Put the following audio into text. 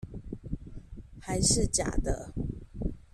還是假的